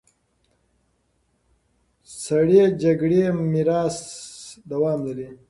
سړې جګړې میراث دوام لري.